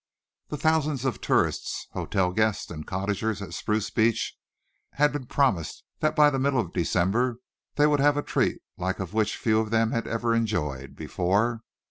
The thousands of tourists, hotel guests and cottagers at Spruce Beach had been promised that by the middle of December they would have a treat the like of which few of them had ever enjoyed before.